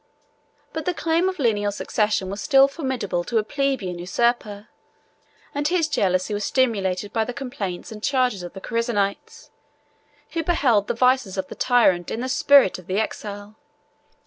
But the claim of lineal succession was still formidable to a plebeian usurper; and his jealousy was stimulated by the complaints and charges of the Chersonites, who beheld the vices of the tyrant in the spirit of the exile.